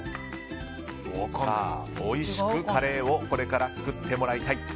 おいしくカレーをこれから作ってもらいたい。